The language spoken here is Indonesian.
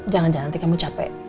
jangan jangan nanti kamu capek